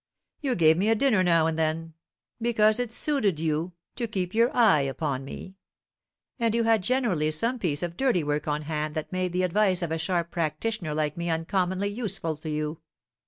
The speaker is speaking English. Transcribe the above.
You gave me a dinner now and then, because it suited you to keep your eye upon me; and you had generally some piece of dirty work on hand that made the advice of a sharp practitioner like me uncommonly useful to you.